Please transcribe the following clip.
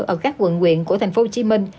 ở các quận quyện của tp hcm